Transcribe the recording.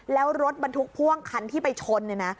แล้วรถบรรทุกพ่วงคันที่ไปชน